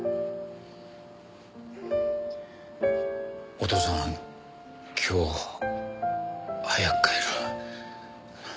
お父さん今日早く帰る。